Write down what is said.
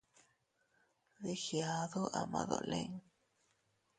Dii giadu ama dolin.